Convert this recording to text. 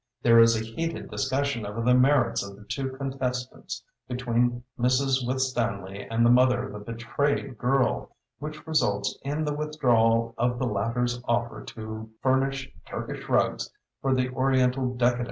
There is a heated discussion over the merits of the two contestants between Mrs. Withstanley and the mother of the betrayed girl, which results in the withdrawal of the latter's offer to furnish Turkish rugs for the Oriental Decadence scene.